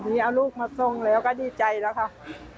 นี่เอาลูกมาส่งแล้วก็ดีใจแล้วค่ะ